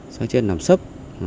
sát chết nằm sấp